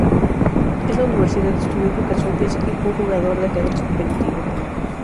En la universidad estudió educación física y fue un jugador de ajedrez competitivo.